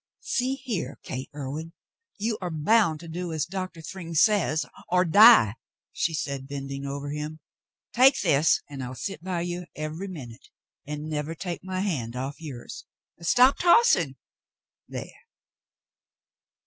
"See here. Gate Irwin. You are bound to do as Doctor Thryng says or die," she said, bending over him. "Take this, and I'll sit by you every minute and never take my hand off yours. Stop tossing. There